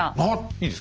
いいですか？